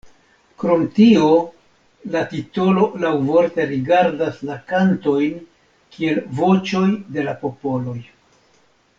Krom tio la titolo laŭvorte rigardas la kantojn kiel voĉoj de la popoloj.